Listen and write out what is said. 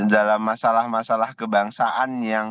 dalam masalah masalah kebangsaan yang